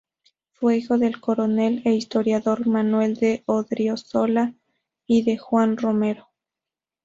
Fue hijo del coronel e historiador Manuel de Odriozola y de Juana Romero.